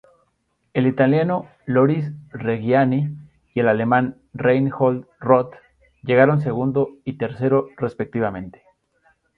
El italiano Loris Reggiani y el alemán Reinhold Roth llegaron segundo y tercero respectivamente.